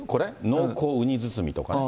濃厚うに包みとか。